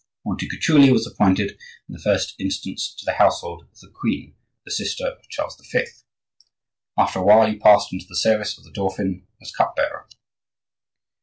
Montecuculi was appointed in the first instance to the household of the queen, the sister of Charles V. After a while he passed into the service of the dauphin as cup bearer.